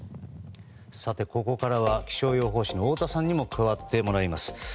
ここからは気象予報士の太田さんにも加わってもらいます。